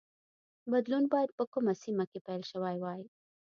بدلون باید په کومه سیمه کې پیل شوی وای